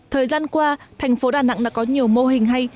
thời gian qua thành phố đà nẵng đã có nhiều mô hình hay